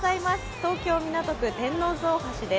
東京・港区、天王洲大橋です。